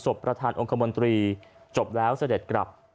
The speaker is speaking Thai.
ประธานองค์คมนตรีจบแล้วเสด็จกลับ